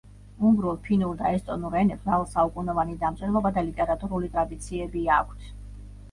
უნგრულ, ფინურ და ესტონურ ენებს მრავალსაუკუნოვანი დამწერლობა და ლიტერატურული ტრადიციები აქვთ.